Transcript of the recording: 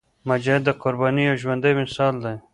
مجاهد د قربانۍ یو ژوندی مثال دی.